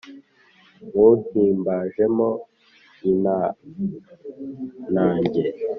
nywuhimbajemo intanage